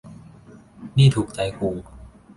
นี่ถูกใจกู